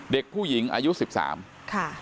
เด็กผู้หญิงอายุ๑๓ค่ะ